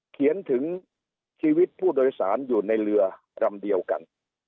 เขียนถึงชีวิตผู้โดยสารอยู่ในเรือลำเดียวกัน